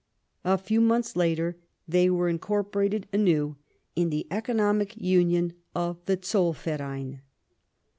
A few months later they were in corporated anew in the economic union of the Zollverem.